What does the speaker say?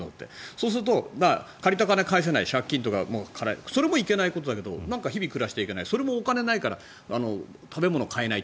そうすると、借りた金を返せない借金とかも。それもいけないことだけど日々、暮らしていけないそれも、お金ないから食べ物買えない。